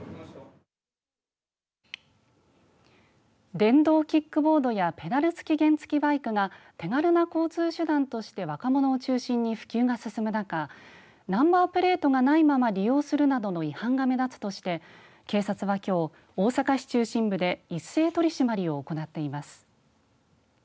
電動キックボードやペダル付き原付バイクが手軽な交通手段として若者を中心に普及が進む中ナンバープレートがないまま利用するなどの違反が目立つとして警察はきょう大阪市中心部で一斉取締りを行っています。